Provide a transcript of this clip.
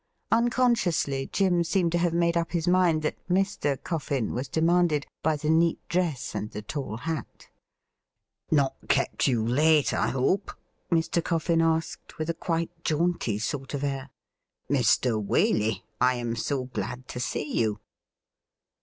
Unconsciously Jim seemed to have made up his mind that ' Mr.' CoflBn was demanded by the neat dress and the tall hat. ' Not kept you late, I hope ?' Mr. Coffin asked, with a quite jaunty sort of air. ' Mr. Waley, I am so glad to see you.'